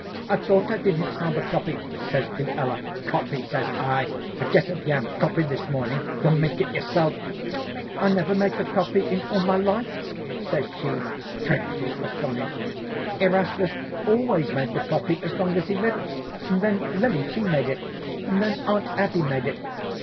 "'I thought I didn't smell the coffee,' says Luella. "'Coffee,' says I. 'I guess if you have coffee this mornin' you'll make it yourself.' "'I never made the coffee in all my life,' says she, dreadful astonished. 'Erastus always made the coffee as long as he lived, and then Lily she made it, and then Aunt Abby made it.